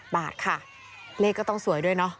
บาทค่ะเลขก็ต้องสวยด้วยเนาะ